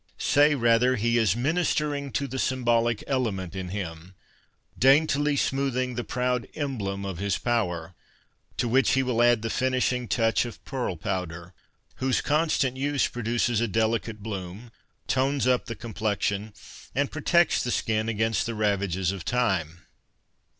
Say, rather, he is ministering to the symbolic element in him, daintily smoothing the proud emblem of his power — to which he will add the finishing touch of pearl powder, whose constant use produces a delicate bloom, tones up the complexion, and protects the skin against the ravages of time.